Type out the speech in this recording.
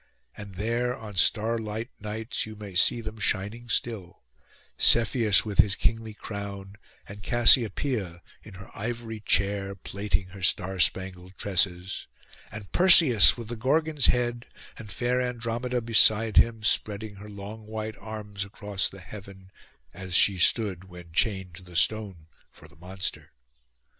And there on starlight nights you may see them shining still; Cepheus with his kingly crown, and Cassiopoeia in her ivory chair, plaiting her star spangled tresses, and Perseus with the Gorgon's head, and fair Andromeda beside him, spreading her long white arms across the heaven, as she stood when chained to the stone for the monster.